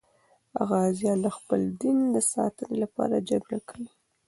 غازیان د خپل دین د ساتنې لپاره جګړه کوي.